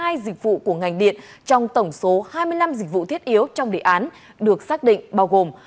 hai dịch vụ của ngành điện trong tổng số hai mươi năm dịch vụ thiết yếu trong đề án được xác định bao gồm